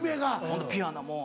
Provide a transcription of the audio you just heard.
ホントピュアなもう。